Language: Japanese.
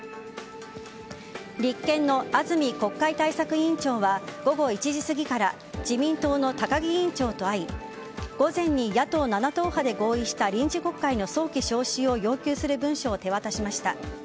立憲の安住国会対策委員長は午後１時過ぎから自民党の高木委員長と会い午前に野党７党派で合意した臨時国会の早期召集を要求する文書を手渡しました。